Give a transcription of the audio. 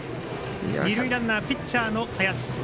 二塁ランナー、ピッチャーの林。